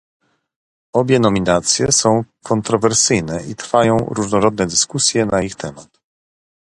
Obie nominacje są kontrowersyjne i trwają różnorodne dyskusje na ich temat